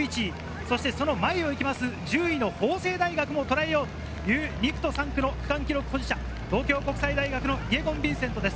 そして、その前を行きます１０位の法政大学を捉えようという２区と３区の区間記録保持者、東京国際大学のイェゴン・ヴィンセントです。